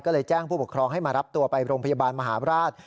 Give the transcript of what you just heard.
ก็เลยแจ้งผู้ปกครองให้มารับตัวไปโรงพยาบาลมหาบราช